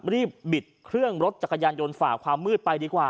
บิดเครื่องรถจักรยานยนต์ฝ่าความมืดไปดีกว่า